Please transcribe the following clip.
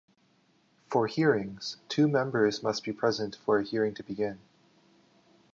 For hearings, two Members must be present for a hearing to begin.